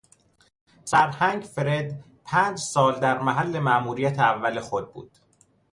سرهنگ فرد پنج سال در محل ماموریت اول خود بود.